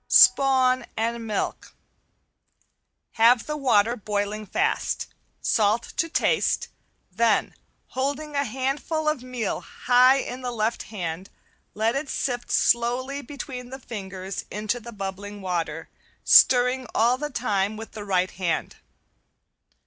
~SPAWN AND MILK~ Have the water boiling fast. Salt to taste, then holding a handful of meal high in the left hand, let it sift slowly between the fingers into the bubbling water, stirring all the time with the right hand.